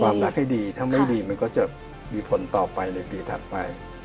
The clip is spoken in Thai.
รักให้ดีถ้าไม่ดีมันก็จะมีผลต่อไปในปีถัดไป